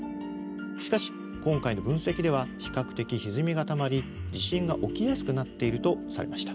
しかし今回の分析では比較的ひずみがたまり地震が起きやすくなっているとされました。